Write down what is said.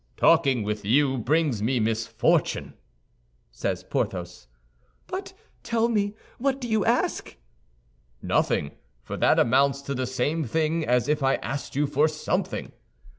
"Talking with you brings me misfortune," said Porthos. "But, tell me, what do you ask?" "Nothing; for that amounts to the same thing as if I asked you for something."